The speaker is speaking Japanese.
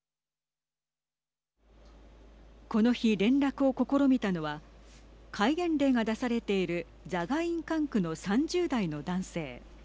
この日、連絡を試みたのは戒厳令が出されているザガイン管区の３０代の男性。